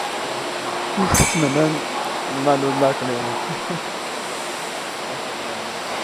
Namanganda ham to‘rt bemor koronavirusdan sog‘aydi